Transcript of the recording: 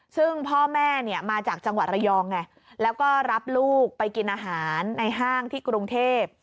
ซึ่งพ่อแม่เนี่ยมาจากจังหวัดระยองไงแล้วก็รับลูกไปกินอาหารในห้างที่กรุงเทพ